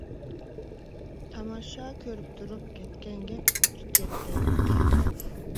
! تاماشا كۆرۈپ تۇرۇپ كەتكەن گەپ بىر چەتتە!